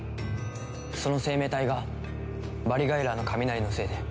その生命体がバリガイラーの雷のせいで？